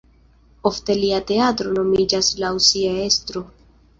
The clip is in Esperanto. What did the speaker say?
Ofte lia teatro nomiĝas laŭ sia estro.